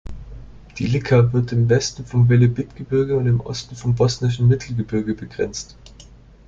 Die Lika wird im Westen vom Velebit-Gebirge und im Osten vom bosnischen Mittelgebirge begrenzt.